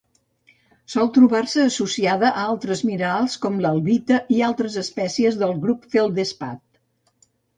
Sol trobar-se associada a altres minerals com l'albita i altres espècies del grup del feldespat.